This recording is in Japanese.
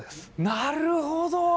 なるほど！